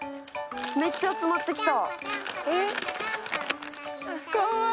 めっちゃ集まってきた。